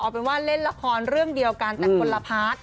เป็นว่าเล่นละครเรื่องเดียวกันแต่คนละพาร์ท